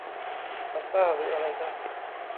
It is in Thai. มันบ้าหรืออะไรนะ ?